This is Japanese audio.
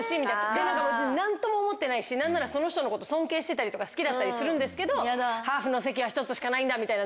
別に何とも思ってないし何ならその人のこと尊敬してたりとか好きだったりするんですけどハーフの席は１つしかないんだみたいな。